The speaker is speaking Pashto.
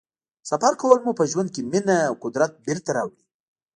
سفر کول مو په ژوند کې مینه او قدرت بېرته راوړي.